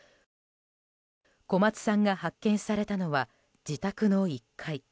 小松さんが発見されたのは自宅の１階。